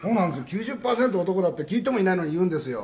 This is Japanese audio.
９０パーセント男だって聞いてもいないのに言うんですよ。